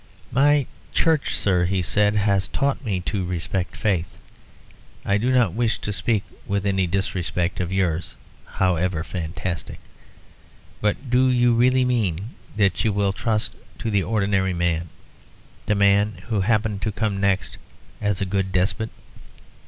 "My church, sir," he said, "has taught me to respect faith. I do not wish to speak with any disrespect of yours, however fantastic. But do you really mean that you will trust to the ordinary man, the man who may happen to come next, as a good despot?"